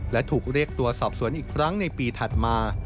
และถูกเรียกตัวสอบสวนอีกครั้งในปีถัดมา